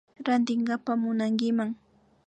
Rantinkapa munankiman